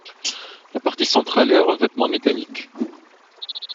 La partie centrale est à revêtement métallique.